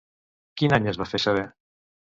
Quin any es va fer saber?